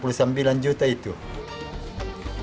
kementerian agama kabupaten jawa barat mengatakan bahwa